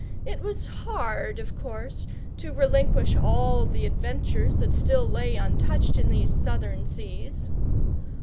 It was hard, of course, to relinquish all the adventures that still lay untouched in these Southern seas.